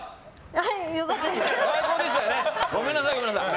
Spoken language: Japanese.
はい良かったです。